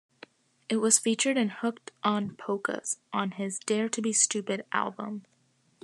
It was featured in "Hooked on Polkas" on his "Dare to be Stupid" album.